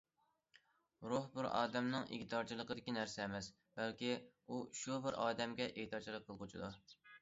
روھ بىر ئادەمنىڭ ئىگىدارچىلىقىدىكى نەرسە ئەمەس، بەلكى ئۇ شۇ بىر ئادەمگە ئىگىدارچىلىق قىلغۇچىدۇر.